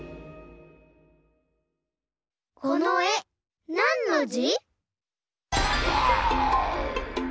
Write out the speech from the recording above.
このえなんのじ？